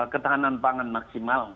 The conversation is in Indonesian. ketahanan pangan maksimal